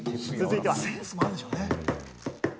センスもあるんでしょうね。